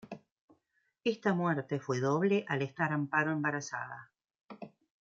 Esta muerte fue doble al estar Amparo embarazada.